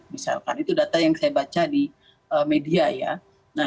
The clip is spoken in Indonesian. misalkan itu data yang saya baca di media ya